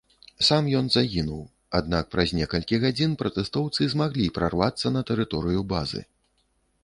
Сам ён загінуў, аднак праз некалькі гадзін пратэстоўцы змаглі прарвацца на тэрыторыю базы.